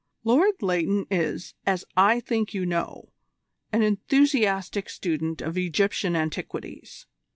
"Lord Leighton is, as I think you know, an enthusiastic student of Egyptian antiquities.